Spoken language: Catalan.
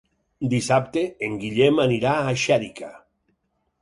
Dissabte en Guillem anirà a Xèrica.